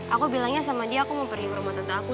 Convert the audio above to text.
aku bilangnya sama dia aku mau pergi ke rumah tante aku